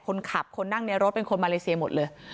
คนขับคนนั่งในรถเป็นคนมาเลเซียหมดเลย